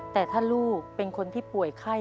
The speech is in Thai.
แต่ถ้าลูกเป็นคนที่ป่วยไข้